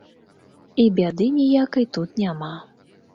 І бяды ніякай тут няма.